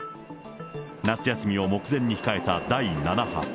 夏休みを目前に控えた第７波。